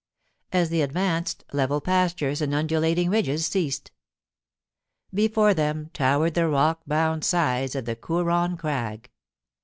As they advanced, level pastures and undulating ridges ceased. Before them towered the rock bound sides of the Koorong Crag.